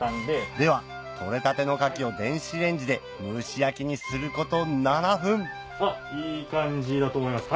では取れたての牡蠣を電子レンジで蒸し焼きにすること７分いい感じだと思います。